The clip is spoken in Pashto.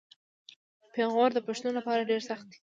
پېغور د پښتون لپاره ډیر سخت دی.